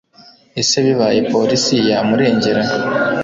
ese bibaye polisi yamurengera